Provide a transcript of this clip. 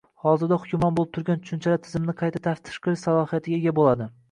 hozirda hukmron bo‘lib turgan tushunchalar tizimini qayta taftish qilish salohiyatiga ega bo‘ladi.